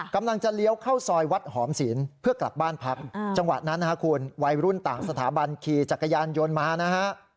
กำลังจะเลี้ยวเข้าซอยวัดหอมศีลเพื่อกลับบ้านพักจังหวะนั้นนะฮะคุณวัยรุ่นต่างสถาบันขี่จักรยานยนต์มานะฮะ